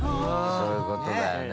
そういう事だよね。